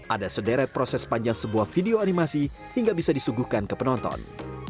ada sederet proses panjang sebuah video animasi hingga bisa disuguhkan ke penonton